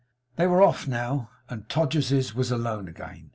They were off now; and Todgers's was alone again.